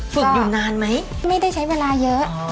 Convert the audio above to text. ฝึกอยู่นานไหมไม่ได้ใช้เวลาเยอะ